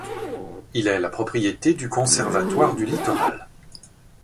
Il est la propriété du Conservatoire du littoral.